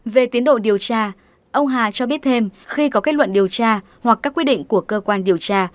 về tiến độ điều tra ông hà cho biết thêm khi có kết luận điều tra hoặc các quy định của cơ quan điều tra